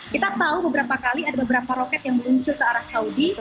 kita tahu beberapa kali ada beberapa roket yang meluncur ke arah saudi